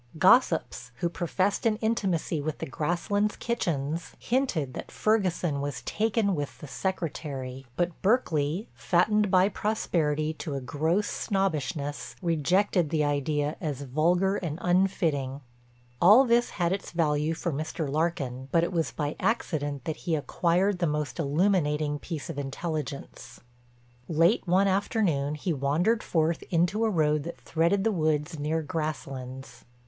Gossips, who professed an intimacy with the Grasslands kitchens, hinted that Ferguson was "taken with" the secretary. But Berkeley, fattened by prosperity to a gross snobbishness, rejected the idea as vulgar and unfitting. All this had its value for Mr. Larkin, but it was by accident that he acquired the most illuminating piece of intelligence. Late one afternoon he wandered forth into a road that threaded the woods near Grasslands.